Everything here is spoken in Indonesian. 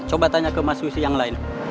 coba tanya ke mas susi yang lain